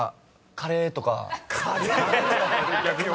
カレー？